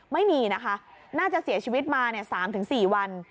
ไม่มีนะคะน่าจะเสียชีวิตมา๓๔วัน